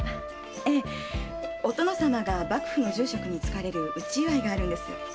ええお殿様が幕府の重職に就かれる内祝いがあるんです。